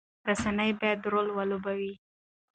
رسنۍ باید رول ولوبوي.